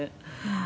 「ああ！